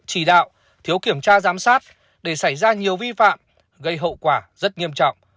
chỉ đạo thiếu kiểm tra giám sát để xảy ra nhiều vi phạm gây hậu quả rất nghiêm trọng